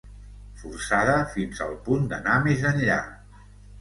Forçada fins al punt d'anar més enllà.